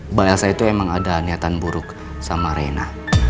mbak elsa itu emang ada niatan buruk sama rena